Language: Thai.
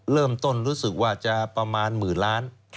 เริ่มต้นรู้สึกว่าจะประมาณหมื่นล้าน